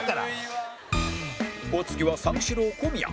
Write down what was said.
お次は三四郎小宮